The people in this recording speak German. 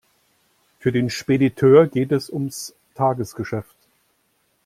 Für den Spediteur geht es ums Tagesgeschäft.